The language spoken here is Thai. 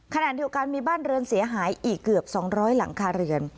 ขณะเดียวกันมีบ้านเรือนเสียหายอีกเกือบ๒๐๐หลังคาเรือน